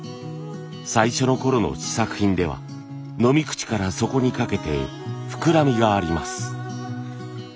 最初のころの試作品では飲み口から底にかけて膨らみがあります。